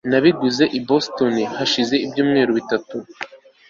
nabiguze i boston hashize ibyumweru bitatu